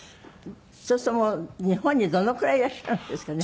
そうするともう日本にどのくらいいらっしゃるんですかね？